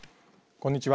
こんにちは。